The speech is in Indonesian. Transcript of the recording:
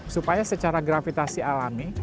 supaya secara gravitasi alami